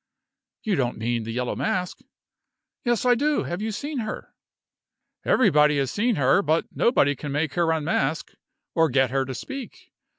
"You don't mean the Yellow Mask?" "Yes I do. Have you seen her?" "Everybody has seen her; but nobody can make her unmask, or get her to speak.